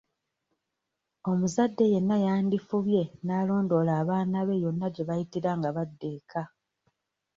Omuzadde yenna yandifubye n'alondoola abaana be yonna gye bayitira nga badda eka.